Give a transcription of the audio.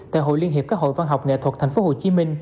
tại hội liên hiệp các hội văn học nghệ thuật tp hcm